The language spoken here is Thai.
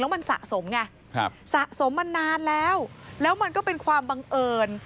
มันสะสมไงสะสมมานานแล้วแล้วมันก็เป็นความบังเอิญ